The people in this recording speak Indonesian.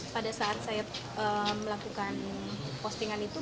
pada saat saya melakukan postingan itu